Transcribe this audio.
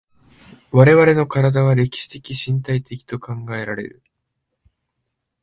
我々の身体は歴史的身体的と考えられる。